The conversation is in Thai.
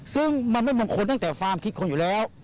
ซึ่งมันไม่มงคลตั้งแต่ความคิดคนอยู่แล้ว